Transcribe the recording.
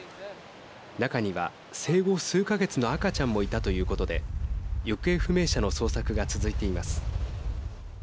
中には生後数か月の赤ちゃんもいたということで行方不明者の捜索が続いています。